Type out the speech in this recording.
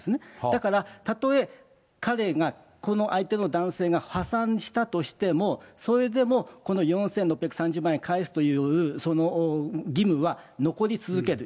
だから、たとえ彼が、この相手の男性が破産したとしても、それでもこの４６３０万円返すという、その義務は残り続ける。